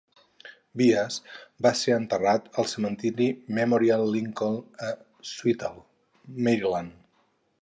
Bias va ser enterrat al cementiri Memorial Lincoln a Suitland, Maryland.